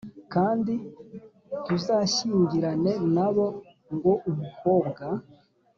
Kandi ntuzashyingirane na bo ngo umukobwa